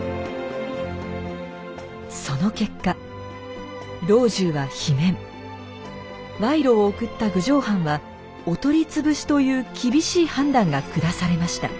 その結果ワイロを贈った郡上藩はお取り潰しという厳しい判断が下されました。